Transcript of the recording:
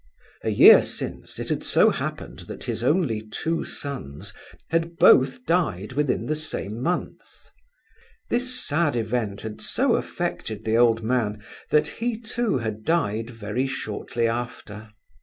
A year since it had so happened that his only two sons had both died within the same month. This sad event had so affected the old man that he, too, had died very shortly after.